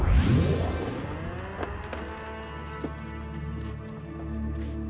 apa yang kamu buat